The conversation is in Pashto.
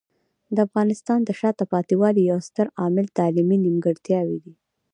د افغانستان د شاته پاتې والي یو ستر عامل تعلیمي نیمګړتیاوې دي.